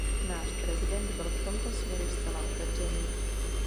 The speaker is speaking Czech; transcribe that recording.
Náš prezident byl v tomto směru zcela otevřený.